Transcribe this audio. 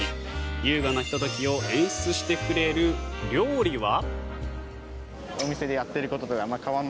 優雅なひと時を演出してくれる料理は。